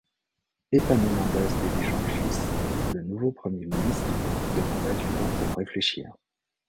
Epaminóndas Deligeórgis, le nouveau Premier ministre, demanda du temps pour réfléchir.